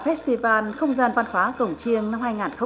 festival không gian văn hóa cổng chiêng năm hai nghìn một mươi chín